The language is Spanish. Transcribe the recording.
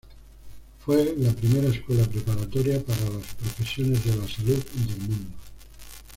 Fue la primera escuela preparatoria para las profesiones de la salud del mundo.